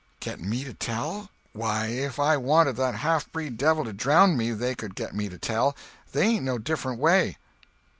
"Get me to tell? Why, if I wanted that halfbreed devil to drownd me they could get me to tell. They ain't no different way."